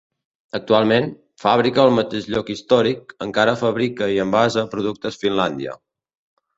Actualment, fàbrica al mateix lloc històric encara fabrica i envasa productes Finlandia.